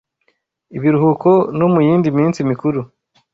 Ibiruhuko no mu Yindi Minsi Mikuru